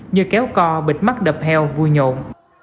như kéo co bịt mắt đập heo vui nhộn